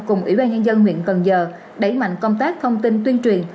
cùng ủy ban nhân dân huyện cần giờ đẩy mạnh công tác thông tin tuyên truyền